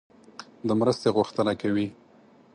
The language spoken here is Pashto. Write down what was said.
د مرستې غوښتنه کوي.